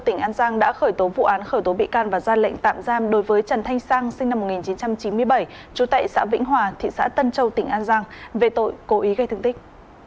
tỉnh an giang đã khởi tố vụ án khởi tố bị can và ra lệnh tạm giam đối với trần thanh sang sinh năm một nghìn chín trăm chín mươi bảy trú tại xã vĩnh hòa thị xã tân châu tỉnh an giang về tội cố ý gây thương tích